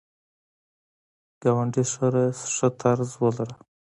ګاونډي سره ښه طرز ولره